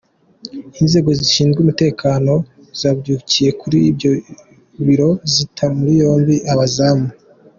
Inzego zishinzwe umutekano zabyukiye kuri ibyo biro zita muri yombi abazamu.